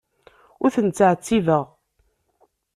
Ur ten-ttɛettibeɣ.